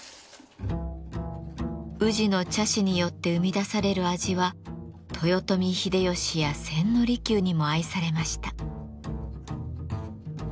宇治の茶師によって生み出される味は豊臣秀吉や千利休にも愛されました。